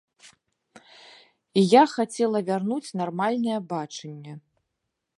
І я хацела вярнуць нармальнае бачанне.